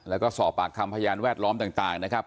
แล้วก็สอบปากคำพยานแวดล้อมต่างนะครับ